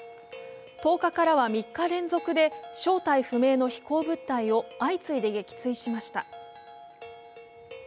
１０日からは３日連続で正体不明の飛行物体を相次いで撃墜しました。